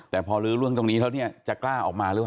แต่พอลื้อเรื่องตรงนี้แล้วเนี่ยจะกล้าออกมาหรือเปล่า